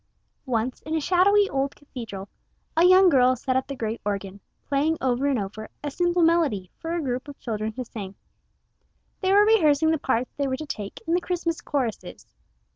ONCE, in a shadowy old cathedral, a young girl sat at the great organ, playing over and over a simple melody for a group of children to sing. They were rehearsing the parts they were to take in the Christmas choruses.